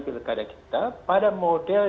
pilih kata kita pada model